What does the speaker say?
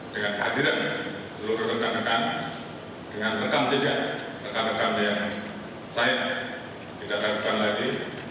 dengan hadirannya seluruh rekan rekan dengan rekam saja rekan rekan yang saya tidakkan lagi